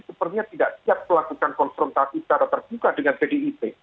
seperti tidak siap melakukan konfrontasi secara terbuka dengan bdip